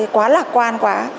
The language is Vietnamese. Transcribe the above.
quá lạc quan quá